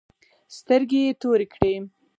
سترگې يې تورې کړې.